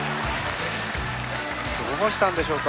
どうしたんでしょうか。